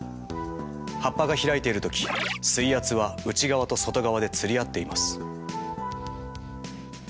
葉っぱが開いている時水圧は内側と外側で釣り合っています。